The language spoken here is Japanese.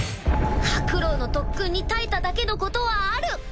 ハクロウの特訓に耐えただけのことはある！